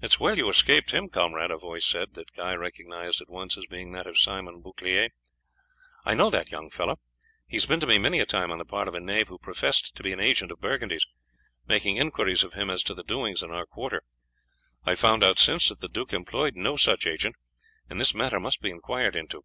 "It is well you stopped him, comrade," a voice said, that Guy recognized at once as being that of Simon Bouclier. "I know the young fellow; he has been to me many a time on the part of a knave who professed to be an agent of Burgundy's, making inquiries of me as to the doings in our quarter. I have found out since that the duke employed no such agent, and this matter must be inquired into.